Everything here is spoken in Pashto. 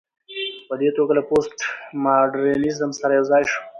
په دې توګه له پوسټ ماډرنيزم سره يوځاى شو